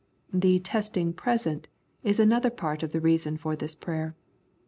The Testing Present is another part of the reason for this prayer.